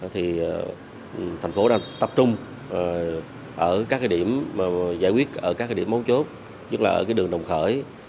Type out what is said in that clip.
thành phố đang tập trung ở các điểm giải quyết ở các điểm mấu chốt chứ là ở đường đồng khởi